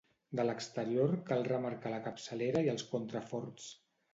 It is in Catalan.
De l'exterior cal remarcar la capçalera i els contraforts.